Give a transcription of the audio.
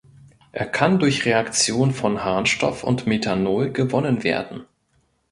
Es kann durch Reaktion von Harnstoff und Methanol gewonnen werden.